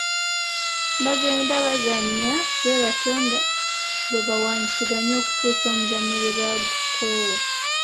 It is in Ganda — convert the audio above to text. Bagenda bazannya bwe batyo nga bwe bawaanyisiganya okutuusa omuzannyo lwe bagukoowa.